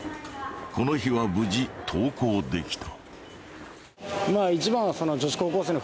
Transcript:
この日は無事登校できた。